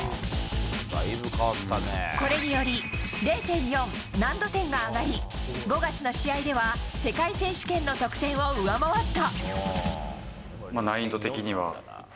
これにより０．４難度点が上がり５月の試合では世界選手権の得点を上回った。